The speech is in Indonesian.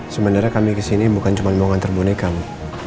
sebenarnya kami kesini bukan cuma mau mengantar bonekanya